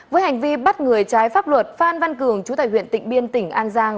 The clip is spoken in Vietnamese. với hành vi bắt người trái pháp luật phan văn cường chú tại huyện tịnh biên tỉnh an giang